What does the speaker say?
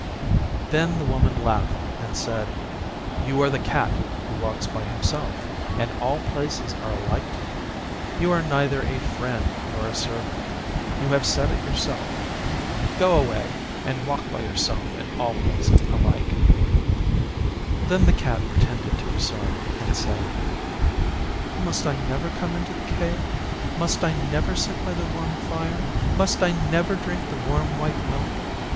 Then the Woman laughed and said, 'You are the Cat who walks by himself, and all places are alike to you. Your are neither a friend nor a servant. You have said it yourself. Go away and walk by yourself in all places alike.' Then Cat pretended to be sorry and said, 'Must I never come into the Cave? Must I never sit by the warm fire? Must I never drink the warm white milk?